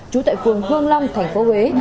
chú tại phường hương long tp huế